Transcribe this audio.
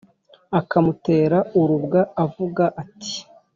akamutera urubwa a avuga ati